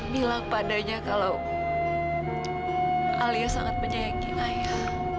bilang padanya kalau alias sangat menyayangi ayah